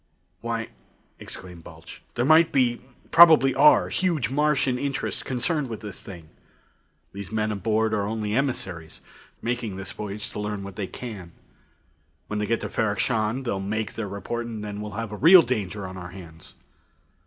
"Why," exclaimed Balch, "there might be probably are huge Martian interests concerned in this thing. These men aboard are only emissaries, making this voyage to learn what they can. When they get to Ferrok Shahn, they'll make their report, and then we'll have a real danger on our hands.